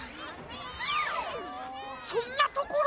そんなところに。